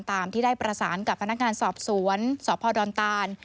ตามที่ได้ประสานกับพนักงานสอบสวนสพดอนตาน